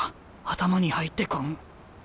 頭に入ってこん。